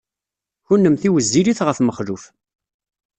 Kennemti wezzilit ɣef Mexluf.